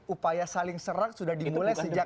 upaya saling serang sudah dimulai sejak